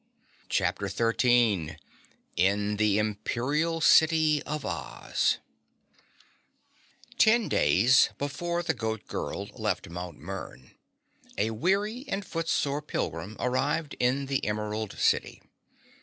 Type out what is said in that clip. CHAPTER 13 In the Emerald City of Oz Ten days before the Goat Girl left Mt. Mern, a weary and footsore pilgrim arrived in the Emerald City.